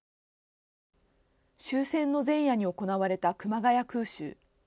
終戦の前夜に行われた熊谷空襲。